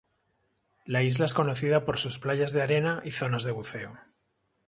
La isla es conocida por sus playas de arena y zonas de buceo.